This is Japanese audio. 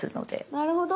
なるほど。